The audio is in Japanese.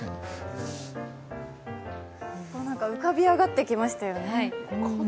浮かび上がってきましたよね。